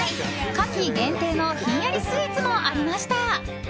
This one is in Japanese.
夏季限定のひんやりスイーツもありました。